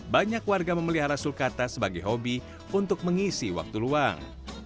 banyak warga memelihara sulkata sebagai hobi untuk mengisi waktu luang